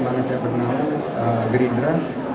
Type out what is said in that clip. karena saya pernah gerindra